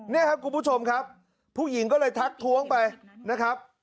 นี่ครับคุณผู้ชมครับผู้หญิงก็เลยทักท้วงไปนะครับ